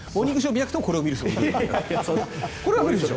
見なくてもこれを見る人はいるでしょ。